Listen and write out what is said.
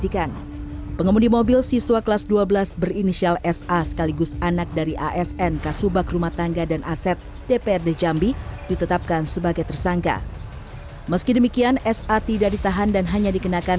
dibawa umur dan tuntutan hukuman dibawah empat tahun statusnya karena menjadi pelaku anak anak